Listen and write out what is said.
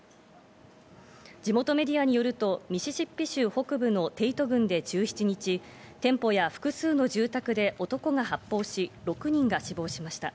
地元メディアによるとミシシッピ州北部のテイト郡で１７日、店舗や複数の住宅で男が発砲し、６人が死亡しました。